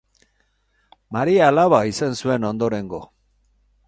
Maria alaba izan zuen ondorengo.